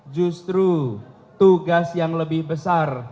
justru tugas yang lebih besar